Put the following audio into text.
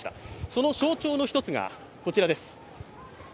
その象徴の１つがこちらです。